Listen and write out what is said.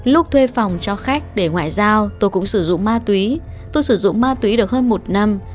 lúc thuê phòng cho khách để ngoại giao tôi cũng sử dụng ma túy tôi sử dụng ma túy được hơn một năm